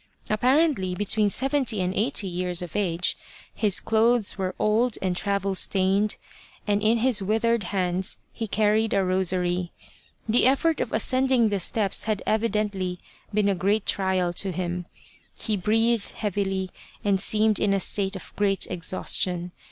Apparently be tween seventy and eighty years of age, his clothes were old and travel stained, and in his withered hands he carried a rosary. The effort of ascending the steps had evidently been a great trial to him, he breathed heavily and seemed in a state of great exhaustion.